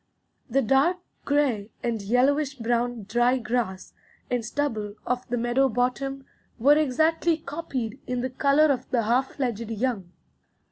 The dark gray and yellowish brown dry grass and stubble of the meadow bottom were exactly copied in the color of the half fledged young.